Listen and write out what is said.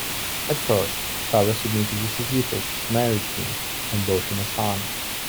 At first, Tyro submitted to Sisyphus, married him, and bore him a son.